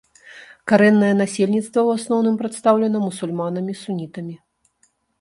Карэннае насельніцтва ў асноўным прадстаўлена мусульманамі-сунітамі.